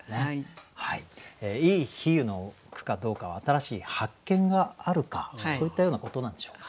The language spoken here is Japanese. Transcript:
いい比喩の句かどうかは新しい発見があるかそういったようなことなんでしょうか？